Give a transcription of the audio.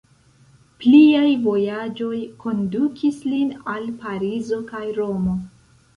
Pliaj vojaĝoj kondukis lin al Parizo kaj Romo.